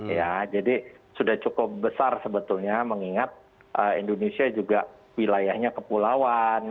ya jadi sudah cukup besar sebetulnya mengingat indonesia juga wilayahnya kepulauan